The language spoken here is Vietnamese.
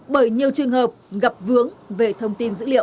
bởi nhiều trường hợp gặp vướng về thông tin dữ liệu